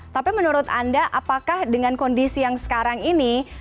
tapi menurut anda apakah dengan kondisi yang sekarang ini